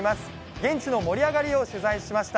現地の盛り上がりを取材しました。